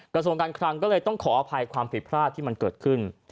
กระทรวงการคลังก็เลยต้องขออภัยความผิดพลาดที่มันเกิดขึ้น